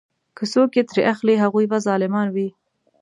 که څوک یې ترې اخلي هغوی به ظالمان وي.